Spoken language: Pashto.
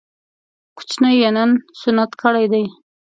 کوچنی يې نن سنت کړی دی